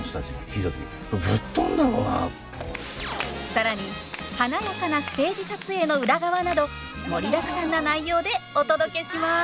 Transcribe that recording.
更に華やかなステージ撮影の裏側など盛りだくさんな内容でお届けします！